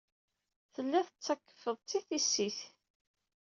Tellid tettakfed-tt i tissit.